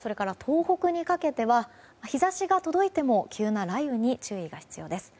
その他、近畿や東海それから東北にかけては日差しが届いても急な雷雨に注意が必要です。